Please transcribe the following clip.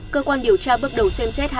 cơ quan điều tra bước đầu xem xét